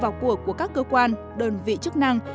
vào cuộc của các cơ quan đơn vị chức năng